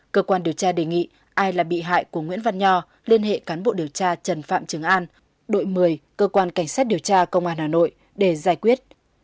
cơ quan điều tra đề nghị ai là bị hại của nguyễn văn nho liên hệ cán bộ điều tra trần phạm trường an đội một mươi cơ quan cảnh sát điều tra công an hà nội để giải quyết